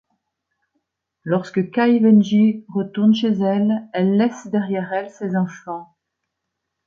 Lorsque Cai Wenji retourne chez elle, elle laisse derrière elle ses enfants.